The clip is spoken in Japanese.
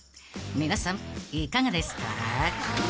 ［皆さんいかがですか？］